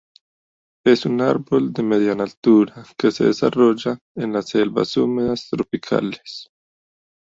Es un árbol de mediana altura que se desarrolla en las selvas húmedas tropicales.